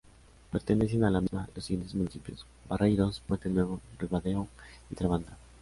Pertenecen a la misma los siguientes municipios: Barreiros, Puente Nuevo, Ribadeo y Trabada.